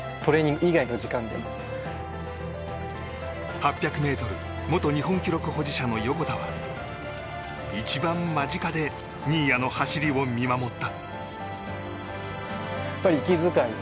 ８００ｍ元日本記録保持者の横田は一番間近で新谷の走りを見守った。